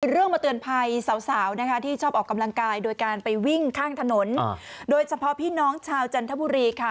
เรื่องมาเตือนภัยสาวนะคะที่ชอบออกกำลังกายโดยการไปวิ่งข้างถนนโดยเฉพาะพี่น้องชาวจันทบุรีค่ะ